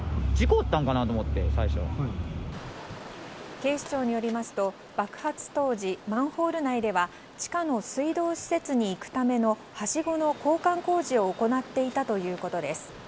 警視庁によりますと爆発当時、マンホール内では地下の水道施設に行くためのはしごの交換工事を行っていたということです。